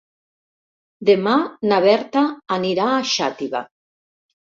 Demà na Berta anirà a Xàtiva.